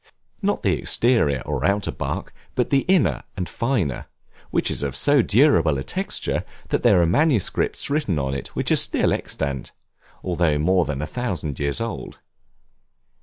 Not the exterior or outer bark, but the inner and finer, which is of so durable a texture, that there are manuscripts written on it which are still extant, though more than a thousand years old.